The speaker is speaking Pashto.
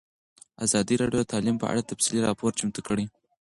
ازادي راډیو د تعلیم په اړه تفصیلي راپور چمتو کړی.